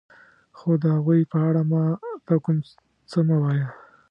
خو د هغوی په اړه ما ته کوم څه مه وایه.